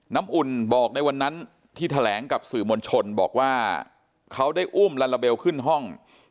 น้ำอุ่นบอกในวันนั้นที่แถลงกับสื่อมวลชนบอกว่าเขาได้อุ้มลาลาเบลขึ้นห้อง